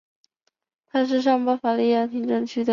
它是上巴伐利亚行政区埃尔丁县的县府。